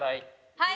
はい！